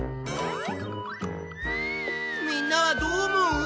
みんなはどう思う？